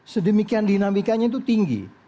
sedemikian dinamikanya itu tinggi